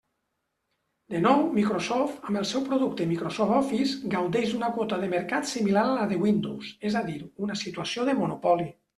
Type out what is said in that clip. De nou, Microsoft, amb el seu producte Microsoft Office, gaudeix d'una quota de mercat similar a la de Windows, és a dir, una situació de monopoli.